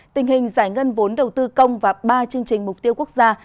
tình hình giải ngân vốn đầu tư công và ba chương trình mục tiêu quốc gia